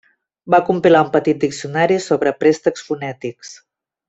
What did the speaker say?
Va compilar un petit diccionari sobre préstecs fonètics.